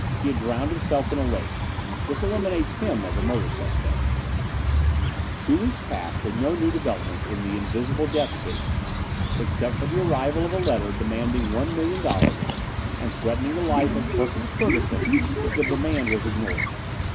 He had drowned himself in a lake. This eliminates him as a murder suspect." Two weeks passed with no new developments in the "Invisible Death" case except for the arrival of a letter demanding $1,000,000 and threatening the life of Perkins Ferguson if the demand was ignored.